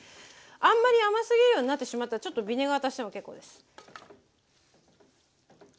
あんまり甘すぎるようになってしまったらちょっとビネガー足しても結構です。